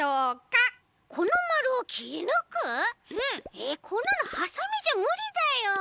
えっこんなのはさみじゃむりだよ！